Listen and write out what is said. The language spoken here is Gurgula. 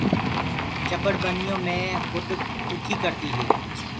چٻڙ ٻنيو مي گُڏ ڏُکي ڪڙدي هي۔